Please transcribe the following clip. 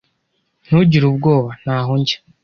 Ntugire ubwoba. Ntaho njya.